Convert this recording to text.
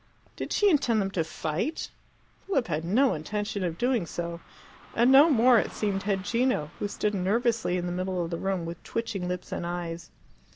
Did she intend them to fight? Philip had no intention of doing so; and no more, it seemed, had Gino, who stood nervously in the middle of the room with twitching lips and eyes.